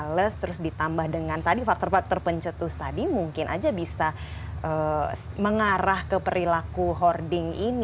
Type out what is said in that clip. plus terus ditambah dengan tadi faktor faktor pencetus tadi mungkin aja bisa mengarah ke perilaku hoarding ini